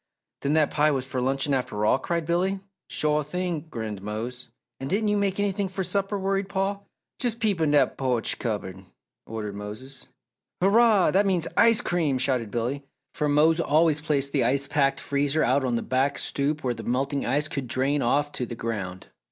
"Then that pie was for luncheon after all?" cried Billy. "Shore thing!" grinned Mose. "And didn't you make anything for supper?" worried Paul. "Jes' peep in dat po'ch cupboard!" ordered Mose. "Hurrah! That means ice cream," shouted Billy, for Mose always placed the ice packed freezer out on the back stoop where the melting ice could drain off to the ground.